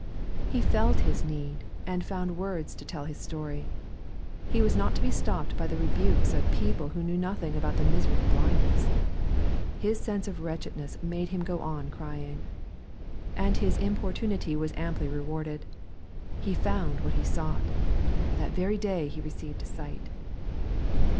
He felt his need, and found words to tell his story. He was not to be stopped by the rebukes of people who knew nothing of the misery of blindness. His sense of wretchedness made him go on crying. And his impor tunity was amply rewarded. He found what he sought. That very day he received sight.